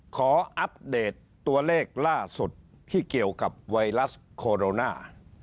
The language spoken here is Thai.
อัปเดตตัวเลขล่าสุดที่เกี่ยวกับไวรัสโคโรนา